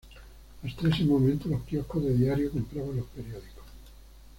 Hasta ese momento los kioscos de diarios compraban los periódicos.